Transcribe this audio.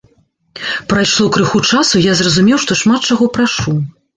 Прайшло крыху часу, і я зразумеў, што шмат чаго прашу.